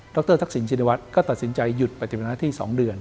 รทักษิณชินวัฒน์ก็ตัดสินใจหยุดปฏิบัติหน้าที่๒เดือน